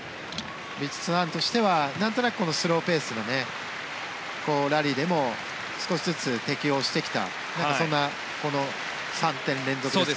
ヴィチットサーンとしてはなんとなくスローペースなラリーでも少しずつ適応してきたそんな３点連続の。